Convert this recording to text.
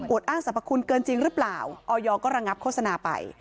อ้างสรรพคุณเกินจริงหรือเปล่าออยก็ระงับโฆษณาไป